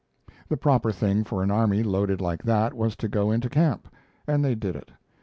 The proper thing for an army loaded like that was to go into camp, and they did it.